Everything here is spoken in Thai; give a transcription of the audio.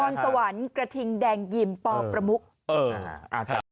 ทอนสวรรค์กระทิงแดงยิ่มป้อประมุกเอออ่าค่ะ